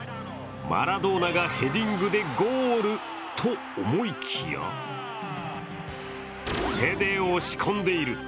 マラドーナがヘディングでゴール！と思いきや手で押し込んでいる。